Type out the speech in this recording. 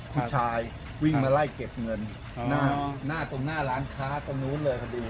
ผู้ชายวิ่งมาไล่เก็บเงินหน้าตรงหน้าร้านค้าตรงนู้นเลยพอดี